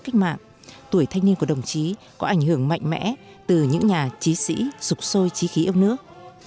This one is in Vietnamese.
cách mạng tuổi thanh niên của đồng chí có ảnh hưởng mạnh mẽ từ những nhà trí sĩ sụp sôi trí yêu nước